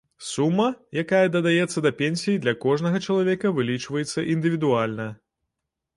Сума, якая дадаецца да пенсіі, для кожнага чалавека вылічваецца індывідуальна.